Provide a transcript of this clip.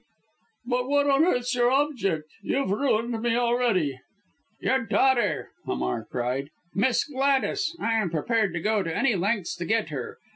"But what on earth's your object! You've ruined me already." "Your daughter!" Hamar cried. "Miss Gladys! I am prepared to go any lengths to get her.